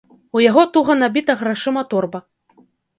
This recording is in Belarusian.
У яго туга набіта грашыма торба.